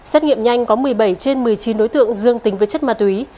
xét nghiệm nhanh có một mươi bảy trên một mươi chín đối tượng dương tính với chất ma túy